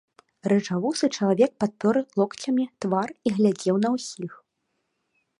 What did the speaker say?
Рыжавусы чалавек падпёр локцямі твар і глядзеў на ўсіх.